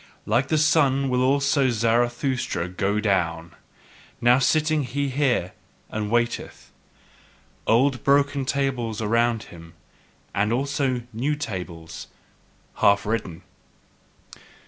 Like the sun will also Zarathustra go down: now sitteth he here and waiteth, old broken tables around him, and also new tables half written.